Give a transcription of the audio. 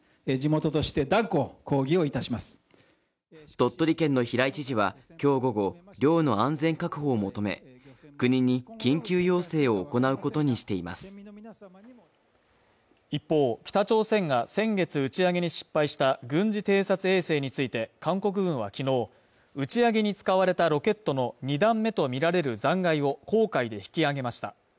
鳥取県の平井知事は、今日午後漁の安全確保を求め、国に緊急要請を行うことにしています一方、北朝鮮が先月打ち上げに失敗した軍事偵察衛星について、韓国軍は昨日、打ち上げに使われたロケットの２段目とみられる残骸を黄海で引き揚げました。